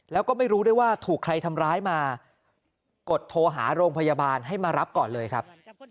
แล้วก็ไม่รู้ด้วยว่าถูกใครทำร้ายมากดโทรหาโรงพยาบาลให้มารับก่อนเลยครับ